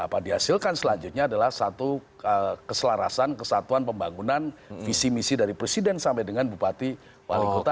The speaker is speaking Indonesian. apa dihasilkan selanjutnya adalah satu keselarasan kesatuan pembangunan visi misi dari presiden sampai dengan bupati wali kota